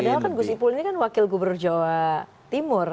padahal kan gus ipul ini kan wakil gubernur jawa timur